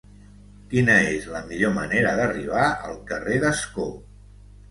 Quina és la millor manera d'arribar al carrer d'Ascó?